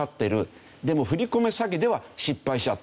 でも振り込め詐欺では失敗しちゃった。